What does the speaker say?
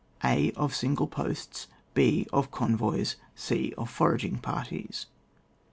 Of single posts, h. Of convoys. e. Of foraging parties. 8.